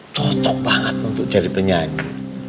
cocok banget untuk jadi penyanyi